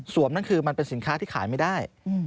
นั่นคือมันเป็นสินค้าที่ขายไม่ได้